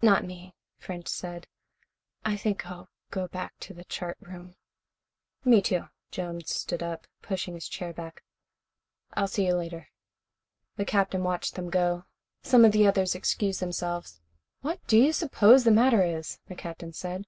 "Not me," French said. "I think I'll go back to the chart room." "Me, too." Jones stood up, pushing his chair back. "I'll see you later." The Captain watched them go. Some of the others excused themselves. "What do you suppose the matter is?" the Captain said.